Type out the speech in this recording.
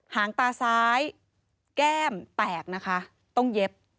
หางตาซ้ายแก้มแตกนะคะต้องเย็บ